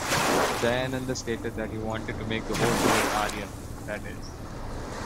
Dayananda stated that he wanted 'to make the whole world Aryan', i.e.